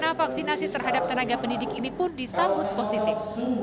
menghubungkan pendidikan yang terhadap tenaga pendidik ini pun disambut positif